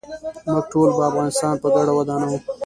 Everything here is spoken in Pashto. موږ ټول به افغانستان په ګډه ودانوو.